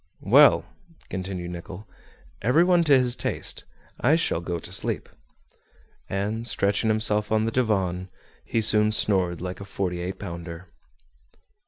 "Well," continued Nicholl, "every one to his taste; I shall go to sleep." And stretching himself on the divan, he soon snored like a forty eight pounder.